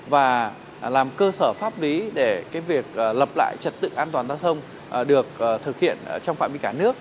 và làm cơ sở pháp lý để việc lập lại trật tự an toàn giao thông được thực hiện trong phạm vi cả nước